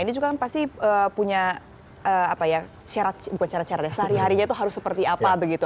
ini juga kan pasti punya syarat bukan syarat syarat ya sehari harinya tuh harus seperti apa begitu